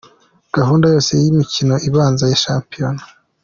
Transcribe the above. Gahunda yose y’imikino ibanza ya shampiyona.